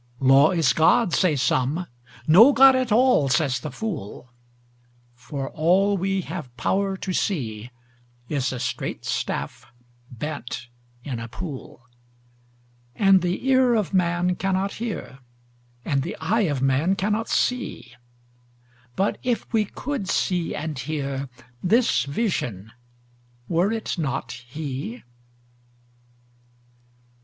Law is God, say some: no God at all, says the fool; For all we have power to see is a straight staff bent in a pool; And the ear of man cannot hear, and the eye of man cannot see; But if we could see and hear, this Vision—were it not He?